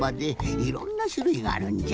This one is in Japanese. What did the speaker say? いろんなしゅるいがあるんじゃ。